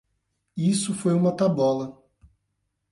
E isso foi uma tabola.